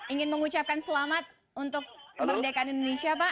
ingin mengucapkan selamat untuk kemerdekaan indonesia pak